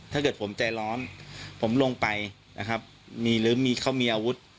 ถ้าเกิดผมใจร้อนผมลงไปนะครับมีหรือมีเขามีอาวุธ